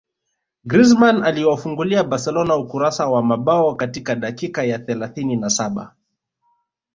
Griezmann aliwafungulia Barcelona ukurasa wa mabao katika dakika ya thelathini na saba